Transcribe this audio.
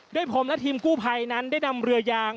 ผมและทีมกู้ภัยนั้นได้นำเรือยาง